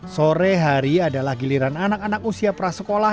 sore hari adalah giliran anak anak usia prasekolah